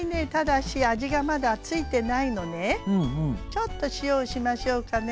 ちょっと塩をしましょうかね。